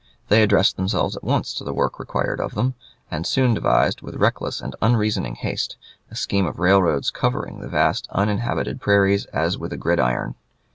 They addressed themselves at once to the work required of them, and soon devised, with reckless and unreasoning haste, a scheme of railroads covering the vast uninhabited prairies as with a gridiron.